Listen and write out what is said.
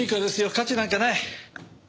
価値なんかない。